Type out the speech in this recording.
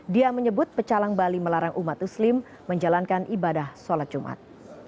dia menyebut pecalang bali melarang umat muslim menjalankan ibadah sholat jumat